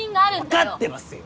わかってますよ！